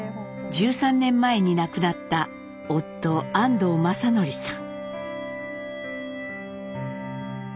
１３年前に亡くなった夫安藤正順さん。